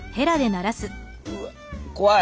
うわっ怖い！